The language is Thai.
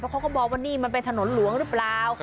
เขาก็มองว่านี่มันเป็นถนนหลวงหรือเปล่า